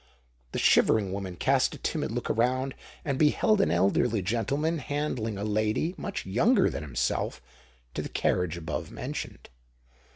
The shivering woman cast a timid look around, and beheld an elderly gentleman handing a lady, much younger than himself, to the carriage above mentioned.